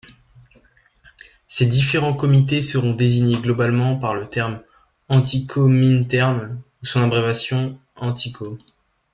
Ces différents comités seront désignés globalement par le terme Antikomintern ou son abréviation Antiko.